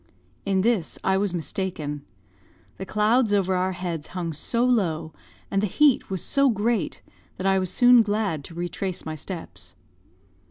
In this I was mistaken. The clouds over our heads hung so low, and the heat was so great, that I was soon glad to retrace my steps.